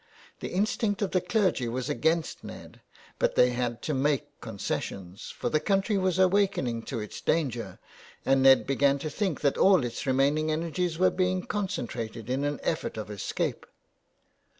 The instinct of the clergy was against Ned, but they had to make concessions, for the country was awakening to its danger, and Ned began to think that all its remaining energies were being concentrated in an effort of escape.